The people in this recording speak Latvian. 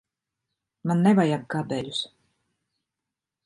Man nevajag kabeļus.